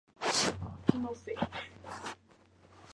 Además, expandió el negocio en el desarrollo de software de juegos.